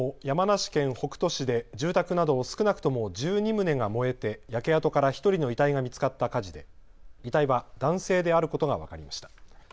山梨県北杜市で住宅など少なくとも１２棟が燃えて焼け跡から１人の遺体が見つかった火事で遺体は男性であることが分かりました。